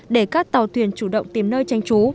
để các tàu thuyền chủ động tìm nơi tranh trú